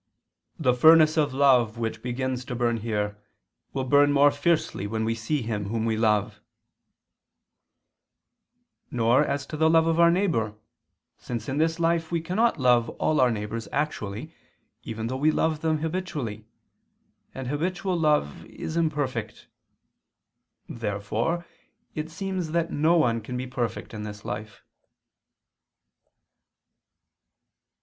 "the furnace of love which begins to burn here, will burn more fiercely when we see Him Whom we love"; nor as to the love of our neighbor, since in this life we cannot love all our neighbors actually, even though we love them habitually; and habitual love is imperfect. Therefore it seems that no one can be perfect in this life.